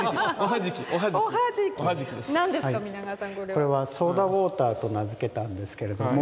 これはソーダウォーターと名付けたんですけれども。